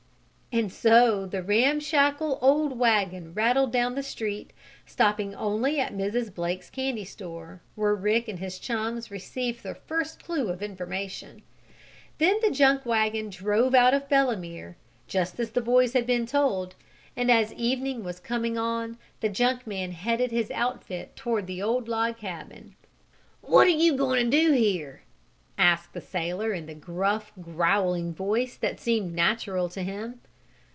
And so the ramshackle old wagon rattled down the street, stopping only at Mrs. Blake's candy store, where Rick and his chums received their first clue or information. Then the junk wagon drove out of Belemere, just as the boys had been told, and as evening was coming on the junk man headed his outfit toward the old log cabin. "What are you going to do here?" asked the sailor in the gruff, growling voice that seemed natural to him.